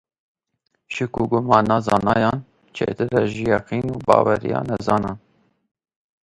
Şik û gumana zanayan, çêtir e ji yeqîn û baweriya nezanan.